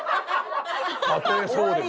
たとえそうでも。